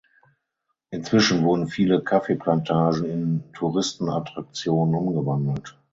Inzwischen wurden viele Kaffeeplantagen in Touristenattraktionen umgewandelt.